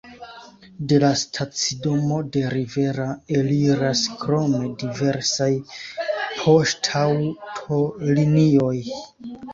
De la stacidomo de Rivera eliras krome diversaj poŝtaŭtolinioj.